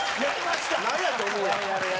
なんや？と思うやん。